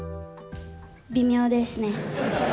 微妙ですね。